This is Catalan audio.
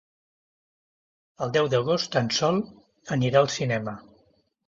El deu d'agost en Sol anirà al cinema.